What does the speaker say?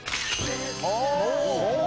おお！